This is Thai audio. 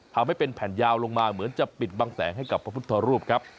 ทำให้เป็นแผ่นยาวลงมาเหมือนจะปิดบังแสงให้กับพระพุทธรูปครับ